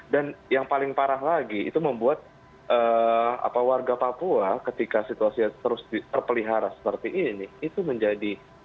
dan yang paling parah lagi itu membuat warga papua ketika situasi terus terpelihara seperti ini itu menjadi terhubung